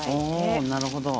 おなるほど。